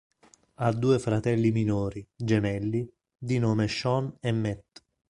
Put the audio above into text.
Ha due fratelli minori, gemelli, di nome Sean e Matt.